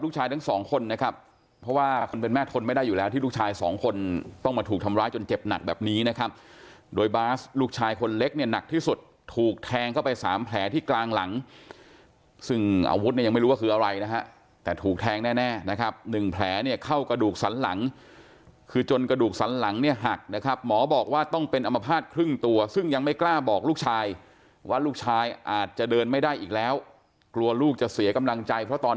ลูกชายทั้งสองคนนะครับเพราะว่าคนเป็นแม่ทนไม่ได้อยู่แล้วที่ลูกชายสองคนต้องมาถูกทำร้ายจนเจ็บหนักแบบนี้นะครับโดยบาสลูกชายคนเล็กเนี่ยหนักที่สุดถูกแทงเข้าไปสามแผลที่กลางหลังซึ่งอาวุธยังไม่รู้ว่าคืออะไรนะฮะแต่ถูกแทงแน่นะครับหนึ่งแผลเนี่ยเข้ากระดูกสันหลังคือจนกระดูกสันหลังเนี่ยห